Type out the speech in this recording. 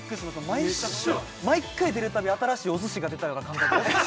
毎週毎回出るたび新しいお寿司が出たような感覚です